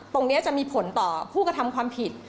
ตรงนี้จะมีผลต่อผู้กระทำความผิด